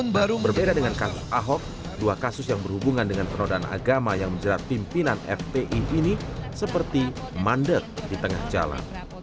berbeda dengan kasus ahok dua kasus yang berhubungan dengan penodaan agama yang menjerat pimpinan fpi ini seperti mandek di tengah jalan